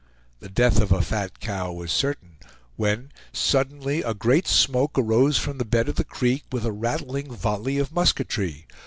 The death of a fat cow was certain, when suddenly a great smoke arose from the bed of the Creek with a rattling volley of musketry.